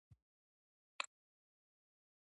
دا د اتمې میاشتې په دویمه نیټه لیکل شوې ده.